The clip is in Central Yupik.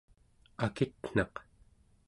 akitnaq¹